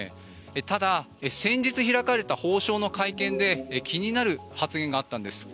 ただ、先日開かれた法相の会見で気になる発言があったんです。